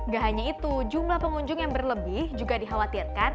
gak hanya itu jumlah pengunjung yang berlebih juga dikhawatirkan